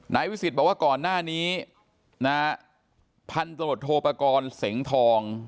วิสิทธิ์บอกว่าก่อนหน้านี้นะฮะพันธุ์ตำรวจโทปกรณ์เสงทอง